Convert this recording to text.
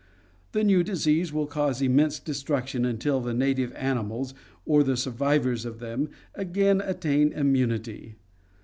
The new disease will cause immense destruction until the native animals, or the survivors of them, again attain immunity.